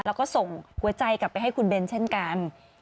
แล้วก็ส่งหัวใจกลับไปให้คุณเบนเช่นกัน